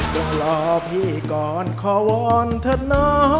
ต้องรอพี่ก่อนขอวอนเถอะนะ